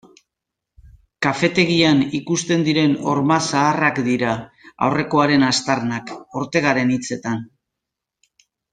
Kafetegian ikusten diren horma zaharrak dira aurrekoaren aztarnak, Ortegaren hitzetan.